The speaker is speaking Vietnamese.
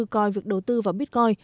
coi việc đầu tư vào bitcoin